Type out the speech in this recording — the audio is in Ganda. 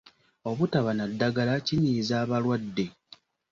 Obutaba na ddagala kinyiiza abalwadde.